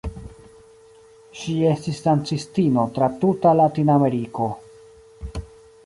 Ŝi estis dancistino tra tuta Latinameriko.